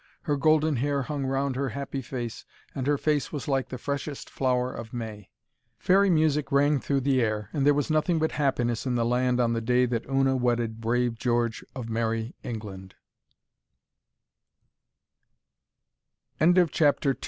Her golden hair hung round her happy face, and her face was like the freshest flower of May. Fairy music rang through the air, and there was nothing but happiness in the land on the day that Una wedded brav